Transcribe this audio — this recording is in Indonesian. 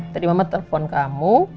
tadi mama telpon kamu